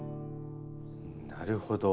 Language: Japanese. なるほど。